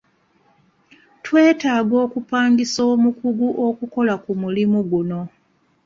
Twetaaga okupangisa omukugu okukola omulimu guno.